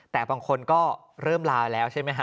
แต่บางคนก็เริ่มลาแล้วใช่ไหมฮะ